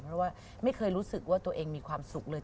เพราะว่าไม่เคยรู้สึกว่าตัวเองมีความสุขเลย